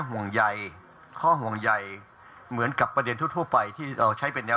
ห่วงใยข้อห่วงใยเหมือนกับประเด็นทั่วไปที่เราใช้เป็นแนว